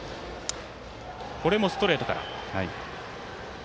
これもストレートから。